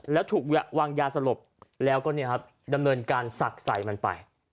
แล้วถูกวางยาสลบแล้วก็ดำเนินการศักดิ์ใส่มันไป